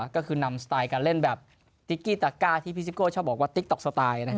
ก็คือนำสไตล์การเล่นแบบติ๊กกี้ตาก้าที่พี่ซิโก้ชอบบอกว่าติ๊กต๊อกสไตล์